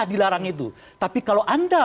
dilarang itu tapi kalau anda